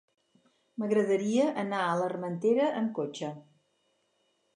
M'agradaria anar a l'Armentera amb cotxe.